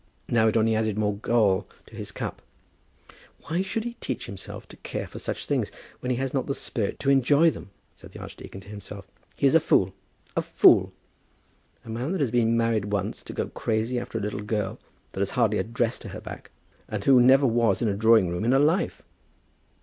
Now it only added more gall to his cup. "Why should he teach himself to care for such things, when he has not the spirit to enjoy them," said the archdeacon to himself. "He is a fool, a fool. A man that has been married once, to go crazy after a little girl, that has hardly a dress to her back, and who never was in a drawing room in her life!